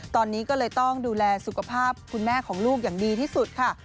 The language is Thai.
ตอนนี้ก็เลยต้องดูแลสุขภาพคุณแม่ของลูกอย่างดีที่สุดค่ะ